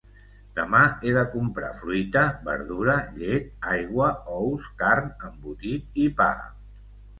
Demà he de comprar fruita, verdura, llet, aigua, ous, carn, embotit i pa.